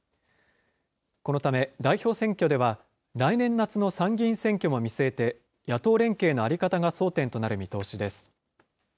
このため、代表選挙では来年夏の参議院選挙も見据えて、野党連携の在り方が争点となる見通しです。